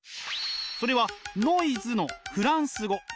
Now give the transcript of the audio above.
それはノイズのフランス語。